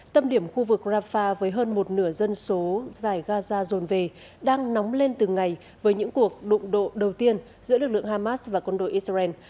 tâm điểm khu vực rafah với hơn một nửa dân số dài gaza rồn về đang nóng lên từng ngày với những cuộc đụng độ đầu tiên giữa lực lượng hamas và quân đội israel